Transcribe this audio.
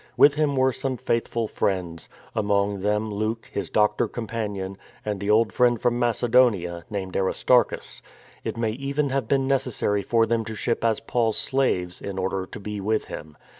With him were some faithful friends — among them Luke, his doctor companion, and the old friend from Macedonia, named Aristarchus. It may even have been necessary for them to ship as Paul's slaves in order to be with him.